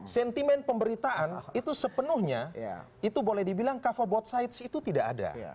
sentimen pemberitaan itu sepenuhnya itu boleh dibilang cover both sides itu tidak ada